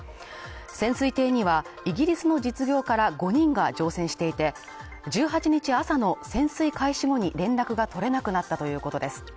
潜水艇にはイギリスの実業家ら５人が乗船していて、１８日朝の潜水開始後に連絡が取れなくなったということです。